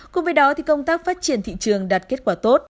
cùng với đó công tác phát triển thị trường đạt kết quả tốt